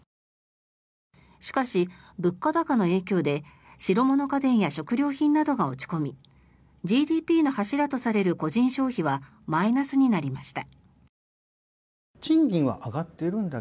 しかし、物価高の影響で白物家電や食料品などが落ち込みＧＤＰの柱とされる個人消費はマイナスになりました。